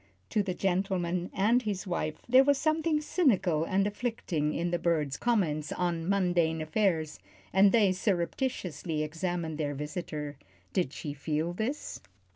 To the gentleman and his wife there was something cynical and afflicting in the bird's comment on mundane affairs, and they surreptitiously examined their visitor. Did she feel this?